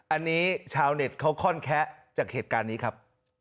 อันนี้ชาวเน็ตเขาค่อนแคะจากเหตุการณ์นี้ครับ